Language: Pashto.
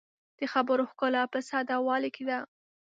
د خبرو ښکلا په ساده والي کې ده